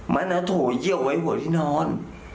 มันถูยเยี่ยวเว้าหัวที่นอน